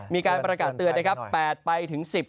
มีการประกาศเตือนนะครับ๘ไปถึง๑๐